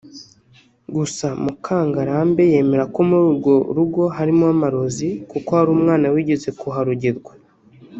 Gusa Mukangarambe yemera ko muri urwo rugo harimo amarozi kuko hari umwana wigeze kuharogerwa